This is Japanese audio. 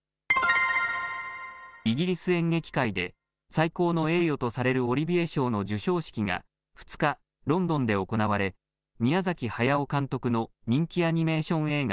イギリス演劇界で最高の栄誉とされるオリビエ賞の授賞式が２日、ロンドンで行われ、宮崎駿監督の人気アニメーション映画、